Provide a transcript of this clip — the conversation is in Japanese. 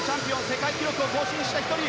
世界記録を更新した１人。